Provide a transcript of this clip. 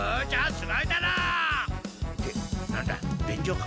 すごいだろう！ってなんだべんじょか？